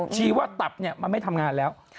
ชี้ว่าตับมันไม่ทำงานแล้ว